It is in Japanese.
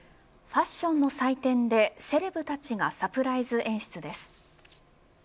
ファッションの祭典でセレブたちがサプライズ演出です。